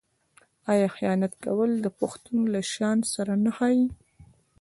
آیا خیانت کول د پښتون له شان سره نه ښايي؟